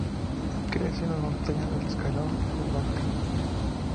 Crece en las montañas del escalón subalpino.